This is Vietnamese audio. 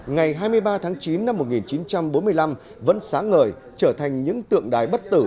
ngày hai mươi ba tháng chín năm một nghìn chín trăm bốn mươi năm vẫn sáng ngời trở thành những tượng đài bất tử